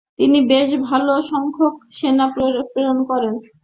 তিনি বেশ ভালো সংখ্যক সেনা প্রেরণ করেন।